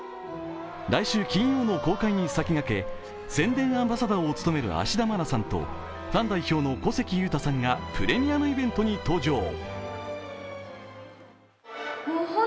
来週金曜の公開に先駆け、宣伝アンバサダーを務める芦田愛菜さんとファン代表の小関裕太さんがプレミアムイベントに登場。